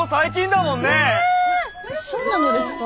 そうなのですか？